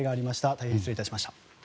大変失礼しました。